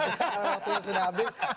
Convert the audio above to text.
karena waktunya sudah habis